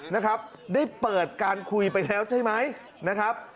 นะครับได้เปิดการคุยไปแล้วใช่ไหมนะครับ